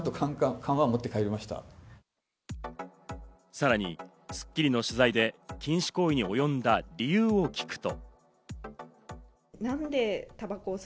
さらに『スッキリ』の取材で禁止行為におよんだ理由を聞くと。